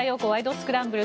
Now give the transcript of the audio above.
スクランブル」。